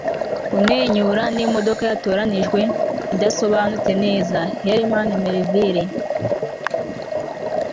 kumwenyura ni imodoka yatoranijwe idasobanutse neza. - herman melville